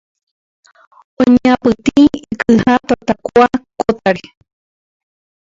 Oñapytĩ ikyha tatakua kótare